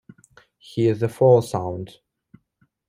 He is the Fall sound.